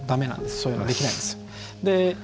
そういうのできないんですよ。